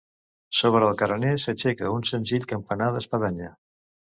Sobre el carener s'aixeca un senzill campanar d'espadanya.